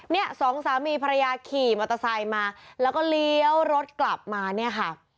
สองสามีภรรยาขี่มอเตอร์ไซค์มาแล้วก็เลี้ยวรถกลับมาเนี่ยค่ะ